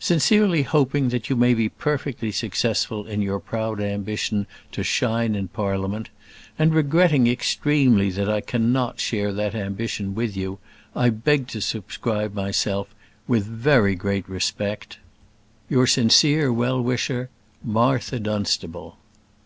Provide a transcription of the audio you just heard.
Sincerely hoping that you may be perfectly successful in your proud ambition to shine in Parliament, and regretting extremely that I cannot share that ambition with you, I beg to subscribe myself, with very great respect, Your sincere well wisher, MARTHA DUNSTABLE.